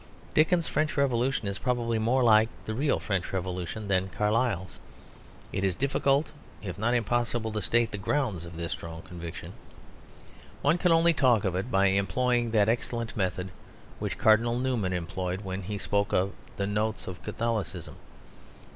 Dickens's French Revolution is probably more like the real French Revolution than Carlyle's. It is difficult, if not impossible, to state the grounds of this strong conviction. One can only talk of it by employing that excellent method which Cardinal Newman employed when he spoke of the "notes" of Catholicism.